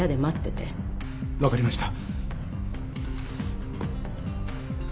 分かりました。